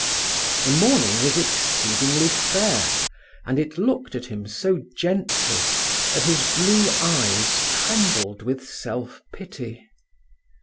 The morning was exceedingly fair, and it looked at him so gently that his blue eyes trembled with self pity.